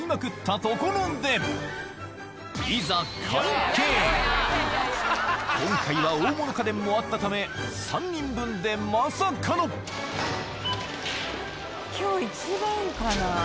いざ今回は大物家電もあったため３人分でまさかの今日１番かなぁ。